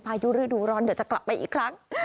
พายุฤดูร้อนเดี๋ยวจะกลับไปอีกครั้ง